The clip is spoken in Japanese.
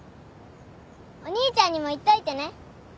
お兄ちゃんにも言っといてね。